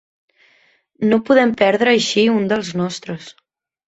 No podem perdre així un dels nostres.